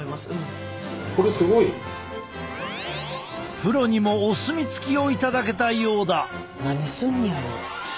プロにもお墨付きを頂けたようだ！